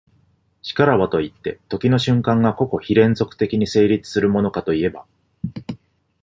然らばといって、時の瞬間が個々非連続的に成立するものかといえば、